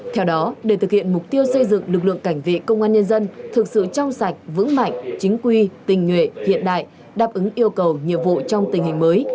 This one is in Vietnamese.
theo đó để thực hiện mục tiêu xây dựng lực lượng cảnh vệ công an nhân dân thực sự trong sạch vững mạnh chính quy tình nguyện hiện đại đáp ứng yêu cầu nhiệm vụ trong tình hình mới